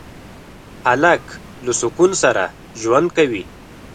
هلک له سکون سره ژوند کوي.